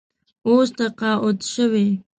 اوس تقاعد شوی.